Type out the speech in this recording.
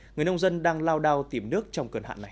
người nông dân đang lao đao tìm nước trong cơn hạn này